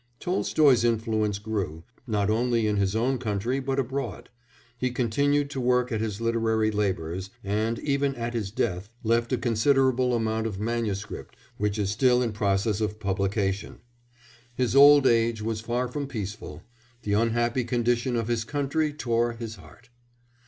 Tolstoy's influence grew, not only in his own country but abroad: he continued to work at his literary labours, and, even at his death, left a considerable amount of MS. which is still in process of publication. His old age was far from peaceful; the unhappy condition of his country tore his heart.